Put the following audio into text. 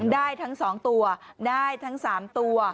ได้ทั้ง๒ตัวได้ทั้ง๓ตัว